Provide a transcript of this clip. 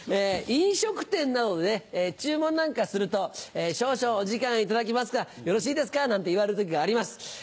飲食店などで注文なんかすると「少々お時間頂きますがよろしいですか？」なんて言われる時があります。